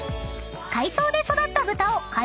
［海藻で育った豚を］